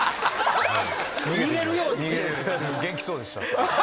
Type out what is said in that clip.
元気そうでした。